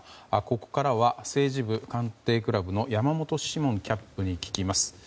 ここからは政治部官邸クラブの山本志門キャップに聞きます。